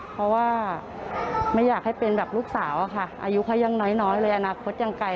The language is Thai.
เพราะว่าไม่อยากให้เป็นแบบลูกสาวอะค่ะอายุเขายังน้อยเลยอนาคตยังไกล